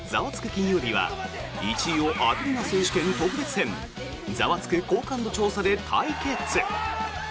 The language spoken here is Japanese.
金曜日」は１位を当てるな選手権特別編ザワつく好感度調査で対決。